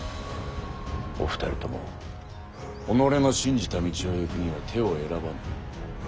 お二人とも己の信じた道を行くには手を選ばぬ。